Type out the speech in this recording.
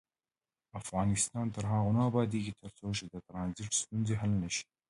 افغانستان تر هغو نه ابادیږي، ترڅو د ټرانزیت ستونزې حل نشي.